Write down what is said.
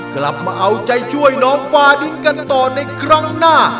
กลับมาเอาใจช่วยน้องฟาดิ้งกันต่อในครั้งหน้า